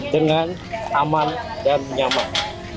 dengan aman dan nyaman